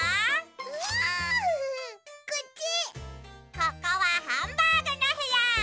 ここはハンバーグのへや！